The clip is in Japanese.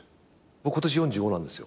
僕今年４５なんですよ。